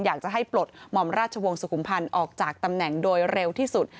อยากจะให้ปลดหม่อมราชวงศ์สุขุมพันธ์ออกจากตำแหน่งโดยเร็วที่สุด